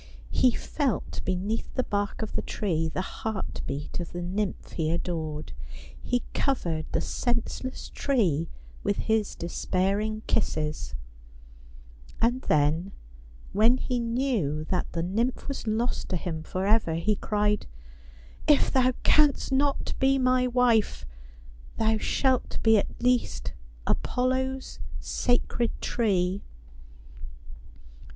He felt beneath the bark of the tree the heart beat of the nymph he adored ; he covered the senseless tree with his despairing kisses ; and then, when he knew that the nymph v/as lost to him for ever, he cried :" If thou canst not be my wife, thou shalt be at least Apollo's sacred tree.